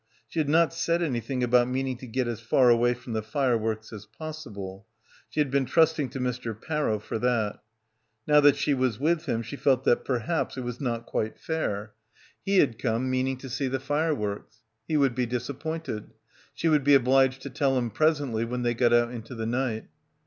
She had not said anything about meaning to get as far away from the fire works as possible. She had been trusting to Mr. Parrow for that. Now that she was with him she felt that perhaps it was not quite fair. He had — 251 — PILGRIMAGE come meaning to see the fireworks. He would be disappointed. She would be obliged to tell him presently, when they got out into the night.